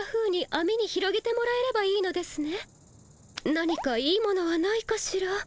何かいいものはないかしら。